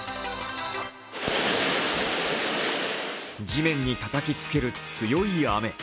地面にたたきつける強い雨。